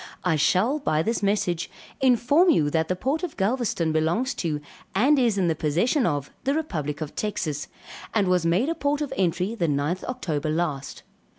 I shall by this message inform you, that the port of Galvezton belongs to and is in the possession of the republic of Texas, and was made a port of entry the 9th October last.